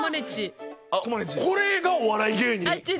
これがお笑い芸人？